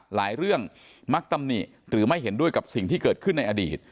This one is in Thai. หลายเรื่องมักตำหนิหรือไม่เห็นด้วยกับสิ่งที่เกิดขึ้นในอดีต